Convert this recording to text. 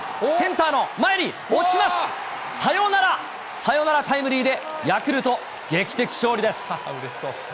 サヨナラタイムリーでヤクルト劇的勝利です。